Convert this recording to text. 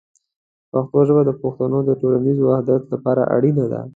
پښتو ژبه د پښتنو د ټولنیز وحدت لپاره اړینه ده.